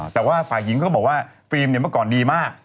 แต่ว่าฝ่ายหญิงก็บอกว่าฟิล์มเนี่ยเมื่อก่อนดีมาก